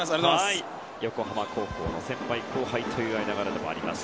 横浜高校の先輩後輩という間柄でもあります